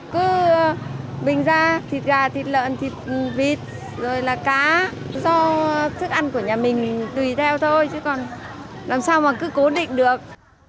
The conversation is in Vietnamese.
cứ bình ra thịt gà thịt lợn thịt vịt rồi là cá do thức ăn của nhà mình tùy theo thôi chứ còn làm sao mà cứ cố định được